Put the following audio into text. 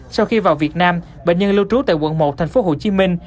sau khi vào việt nam bệnh nhân lưu trú tại quận một thành phố hồ chí minh